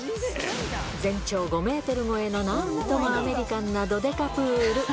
全長５メートル超えのなんともアメリカンなどでかプール。